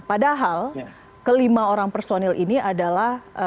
padahal kelima orang personil ini adalah